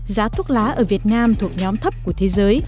giá thuốc lá ở việt nam thuộc nhóm thấp của thế giới